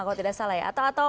kalau tidak salah ya